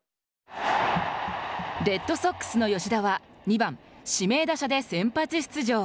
レッドソックスの吉田は２番、指名打者で先発出場。